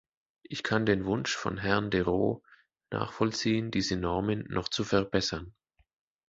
Ich kann den Wunsch von Herrn de Roo nachvollziehen, diese Normen noch zu verbessern.